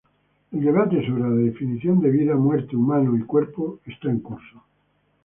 El debate sobre la definición de vida, muerte, humano y cuerpo está en curso.